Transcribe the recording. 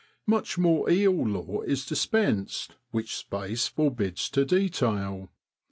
Much more eel lore is dispensed, which space forbids to detail.